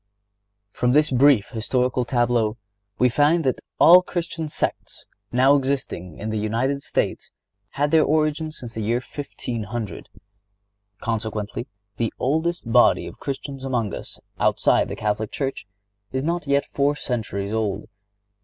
Church From this brief historical tableau we find that all the Christian sects now existing in the United States had their origin since the year 1500. Consequently, the oldest body of Christians among us, outside the Catholic Church, is not yet four centuries old.